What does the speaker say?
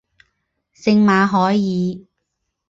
圣马凯尔。